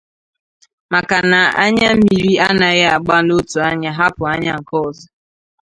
maka na anyammiri anaghị agba n'otu anya hapụ anya nke ọzọ